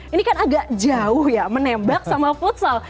ini kan agak jauh ya menembak sama futsal